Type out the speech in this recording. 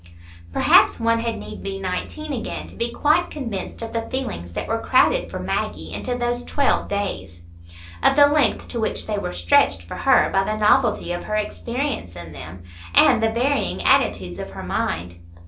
Perhaps one had need be nineteen again to be quite convinced of the feelings that were crowded for Maggie into those twelve days; of the length to which they were stretched for her by the novelty of her experience in them, and the varying attitudes of her mind.